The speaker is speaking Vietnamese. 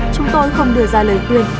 chúng tôi không đưa ra lời khuyên